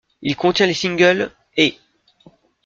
Il contient les singles ',' et '.